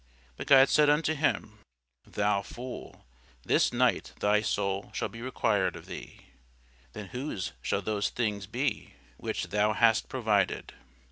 But God said unto him, Thou fool, this night thy soul shall be required of thee: then whose shall those things be, which thou hast provided?